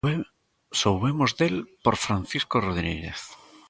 Soubemos del por Francisco Rodríguez.